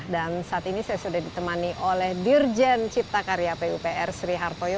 dan saat ini saya sudah ditemani oleh dirjen cipta karya pupr sri hartoyo